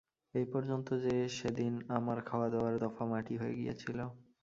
এই পর্যন্ত যে, সেদিন আমার খাওয়া-দাওয়ার দফা মাটি হয়ে গিয়েছিল।